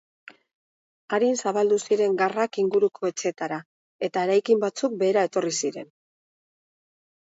Arin zabaldu ziren garrak inguruko etxeetara, eta eraikin batzuk behera etorri ziren.